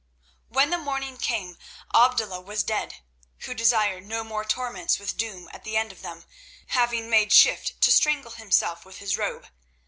When the morning came Abdullah was dead, who desired no more torments with doom at the end of them, having made shift to strangle himself with his robe.